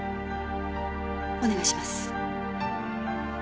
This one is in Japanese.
お願いします。